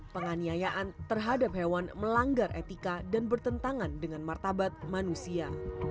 penganiayaan terhadap hewan melanggar etika dan bertentangan dengan martabat manusia